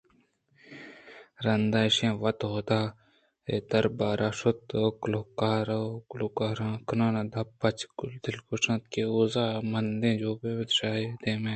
رندا ایشاں وت حُدا ءِ دربار ءَ شُت ءُ کُوکار ءُ کوٛار کوٛار کنانءَ دپ پچ لگوشتاں کہ او زور مندیں جو! پہ ما بادشاہے دیم دئے